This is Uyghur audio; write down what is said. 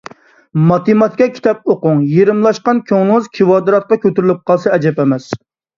ماتېماتىكا كىتابنى ئوقۇڭ، يېرىملاشقان كۆڭلىڭىز كىۋادراتقا كۆتۈرۈلۈپ قالسا ئەجەب ئەمەس.